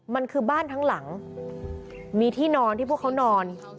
มันคือบ้านทั้งหลังมีที่นอนที่พวกเขานอน